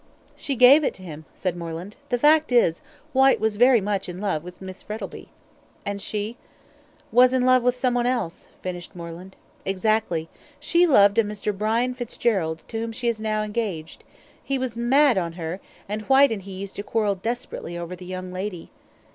"She gave it to him," said Moreland. "The fact is, Whyte was very much in love with Miss Frettlby." "And she " "Was in love with someone else," finished Moreland. "Exactly! Yes, she loved a Mr. Brian Fitzgerald, to whom she is now engaged. He was mad on her; and Whyte and he used to quarrel desperately over the young lady."